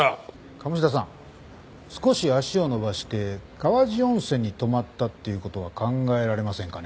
鴨志田さん少し足を伸ばして川治温泉に泊まったっていう事は考えられませんかね？